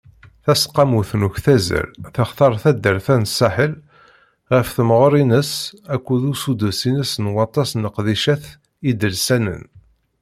Taseqqamut n uktazal textar taddart-a n Saḥel ɣef temɣer-ines akked usuddes-ines n waṭas n leqdicat idelsanen.